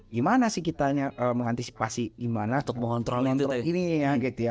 gimana sih kita mengantisipasi gimana untuk mengontrol ini ya gitu ya